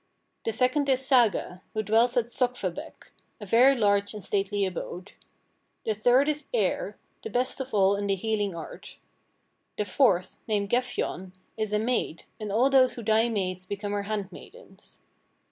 The second is Saga, who dwells at Sokkvabekk, a very large and stately abode. The third is Eir, the best of all in the healing art. The fourth, named Gefjon, is a maid, and all those who die maids become her hand maidens.